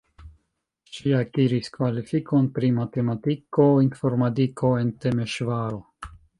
Ŝi akiris kvalifikon pri matematiko-informadiko en Temeŝvaro.